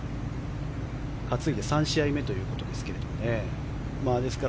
担いで３試合目ということですが。